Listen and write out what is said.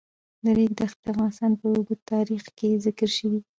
د ریګ دښتې د افغانستان په اوږده تاریخ کې ذکر شوی دی.